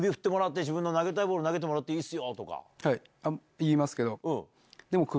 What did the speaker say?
はい言いますけど。